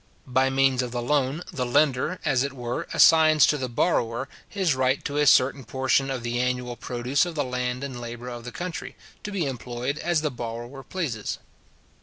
By means of the loan, the lender, as it were, assigns to the borrower his right to a certain portion of the annual produce of the land and labour of the country, to be employed as the borrower pleases.